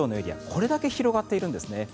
これだけ広がっているんですね。